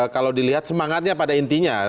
kalau dilihat semangatnya pada intinya